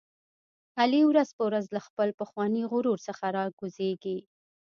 علي ورځ په ورځ له خپل پخواني غرور څخه را کوزېږي.